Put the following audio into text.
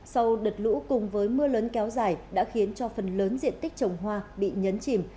sau đợt lũ cùng với mưa lớn kéo dài đã khiến cho phần lớn diện tích trồng hoa bị nhấn chìm